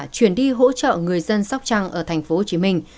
chuyển đi hỗ trợ người dân sóc trăng ở thành phố hồ chí minh